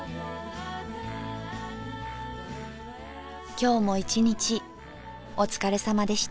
今日も一日お疲れさまでした。